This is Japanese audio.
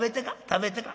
食べてか？